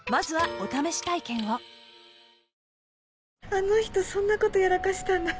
あの人そんな事やらかしたんだ。